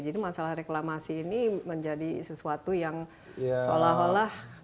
jadi masalah reklamasi ini menjadi sesuatu yang seolah olah